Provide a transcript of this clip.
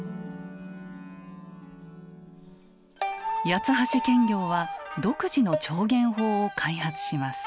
八橋検校は独自の調弦法を開発します。